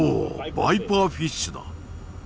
バイパーフィッシュだ。